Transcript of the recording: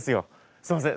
すみません